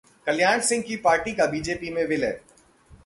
कल्याण सिंह की पार्टी का बीजेपी में विलय